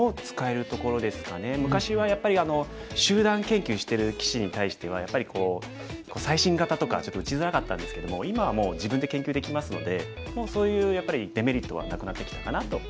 昔はやっぱり集団研究してる棋士に対してはやっぱり最新型とかちょっと打ちづらかったんですけども今はもう自分で研究できますのでそういうやっぱりデメリットはなくなってきたかなと。